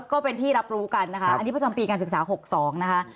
ก็เป็นที่รับรู้กันนะคะอันนี้ประจำปีการศึกษา๖๒นะคะ